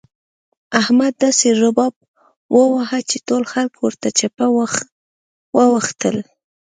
احمد داسې رباب وواهه چې ټول خلګ ورته چپه واوښتل.